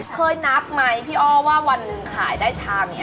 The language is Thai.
เคยนับไหมพี่อ้อว่าวันหนึ่งขายได้ชามนี้